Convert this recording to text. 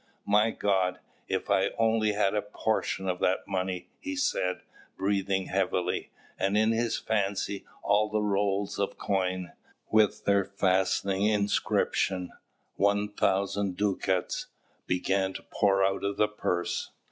"My God, if I only had a portion of that money!" he said, breathing heavily; and in his fancy, all the rolls of coin, with their fascinating inscription, "1000 ducats," began to pour out of the purse.